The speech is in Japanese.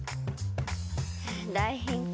大ヒント。